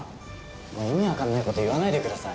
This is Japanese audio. もう意味分かんないこと言わないでください。